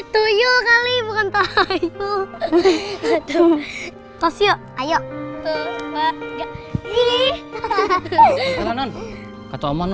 tuyul kali bukan tahu itu atau siap ayo